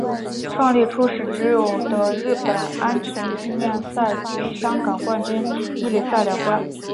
创立初时只有的日本安田纪念赛及香港冠军一哩赛两关。